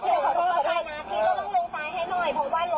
พี่ก็ต้องลงซ้ายให้หน่อยผมว่ารถข้างหลัง